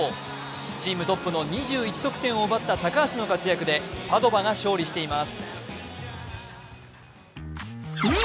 チームトップの２１得点を奪った高橋の活躍でパドヴァが勝利しています。